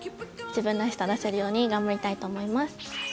自分らしさ出せるように頑張りたいと思います。